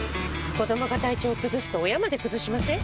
子どもが体調崩すと親まで崩しません？